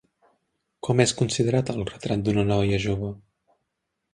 Com és considerat el Retrat d'una noia jove?